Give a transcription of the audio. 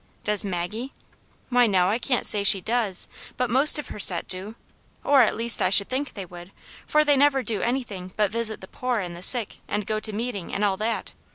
^ Does Maggie? Why, no, I can't say she does, but most of her set do ; or at least I should think they would, for they never do anything but visit the poor and the sick, and go to meeting, and all that.